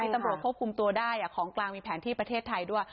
ตำรวจควบคุมตัวได้ของกลางมีแผนที่ประเทศไทยด้วย